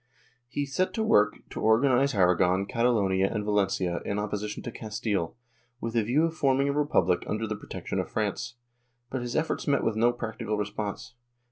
He set to work to organize Aragon, Catalonia and Valencia in opposition to Castile, with a view of forming a republic under the protection of France, but his efforts met with no practical response.